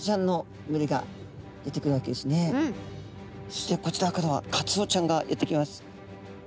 そしてこちらからはカツオちゃんがやって来ます。